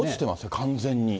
完全に。